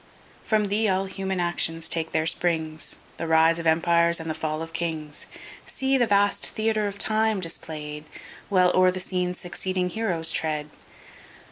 From Thee[*] all human actions take their springs, The rise of empires and the fall of kings! See the vast Theatre of Time display'd, While o'er the scene succeeding heroes tread!